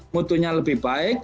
motonya lebih baik